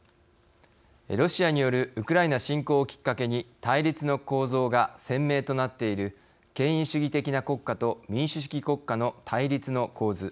ロシアによるウクライナ侵攻をきっかけに対立の構造が鮮明となっている権威主義的な国家と民主主義国家の対立の構図。